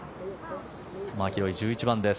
マキロイ、１１番です。